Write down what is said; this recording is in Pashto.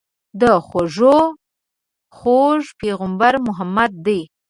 د خوږو خوږ پيغمبر محمد دي.